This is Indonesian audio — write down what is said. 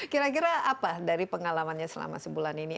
kira kira apa dari pengalamannya selama sebulan ini